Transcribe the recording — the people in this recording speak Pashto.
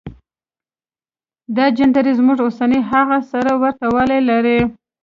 دا جنتري زموږ اوسنۍ هغې سره ورته والی لري.